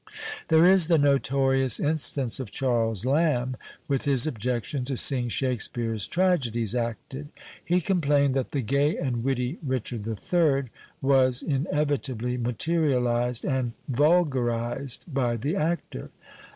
There is the notorious instance of Charles Lamb, with his objection to seeing Shakespeare's tragedies acted. He complained that the gay and witty Richard HI. was inevitably materialized and vulgarized by the actor.